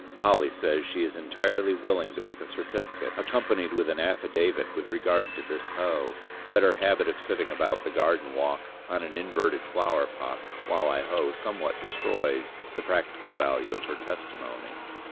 Polly says she is entirely willing to make a certificate, accompanied with an affidavit, with regard to this hoe; but her habit of sitting about the garden walk on an inverted flower pot while I hoe somewhat destroys the practical value of her testimony.